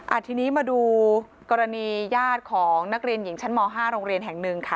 ทีนี้มาดูกรณีญาติของนักเรียนหญิงชั้นม๕โรงเรียนแห่งหนึ่งค่ะ